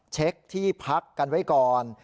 เช็คที่พักกันไว้ก่อน